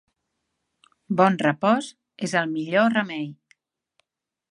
Bon repòs és el millor remei.